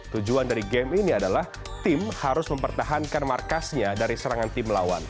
tujuan dari game ini adalah tim harus mempertahankan markasnya dari serangan tim lawan